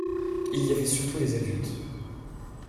Il y avait surtout des adultes.